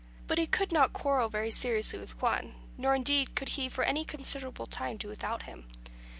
But he could not quarrel very seriously with Juan, nor indeed could he for any considerable time do without him.